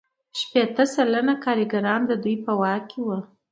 شپیته سلنه کارګران د دوی په واک کې وو